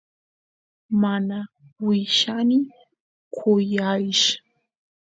mana willani kuyaysh